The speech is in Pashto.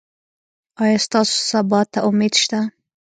ایا ستاسو سبا ته امید شته؟